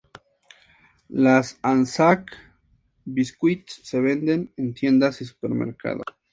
Las "Anzac biscuits" se venden en tiendas y supermercados.